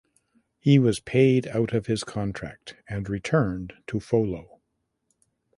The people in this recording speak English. He was paid out of his contract and returned to Follo.